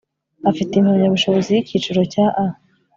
afite impamyabushobozi y ikiciro cya a